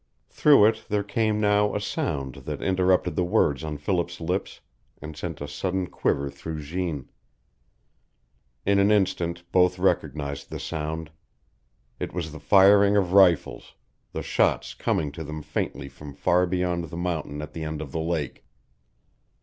Through it there came now a sound that interrupted the words on Philip's lips, and sent a sudden quiver through Jeanne. In an instant both recognized the sound. It was the firing of rifles, the shots coming to them faintly from far beyond the mountain at the end of the lake.